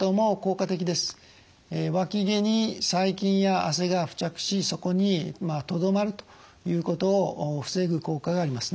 わき毛に細菌や汗が付着しそこにとどまるということを防ぐ効果がありますね。